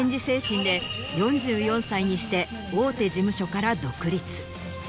精神で４４歳にして大手事務所から独立。